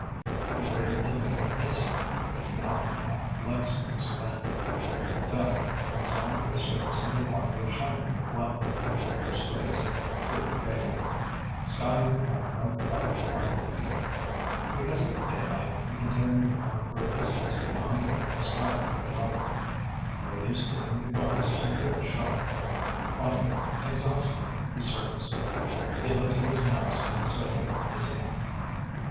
He breathed a little easier. Now to count leg strokes again. He looked up, and saw that the surface of the water was shining with light, the first rays of true daylight. Scotty would have no trouble finding him. Because of the daylight, he continued on for a distance beyond where Scotty had dropped him. No use giving the guards too good a shot. Finally, exhausted, he surfaced. He lifted his mask and surveyed the scene.